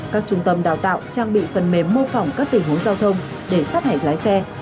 các trung tâm đào tạo trang bị phần mềm mô phỏng các tình huống giao thông để sát hạch lái xe